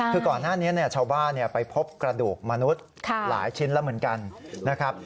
คือก่อนหน้านี้ชาวบ้านไปพบกระดูกมนุษย์หลายชิ้นแล้วเหมือนกันนะครับ